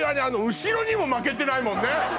後ろにも負けてないもんね